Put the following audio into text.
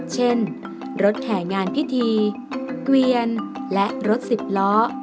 เช่นรถแห่งานพิธีเกวียนและรถสิบล้อ